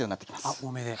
あっ多めで。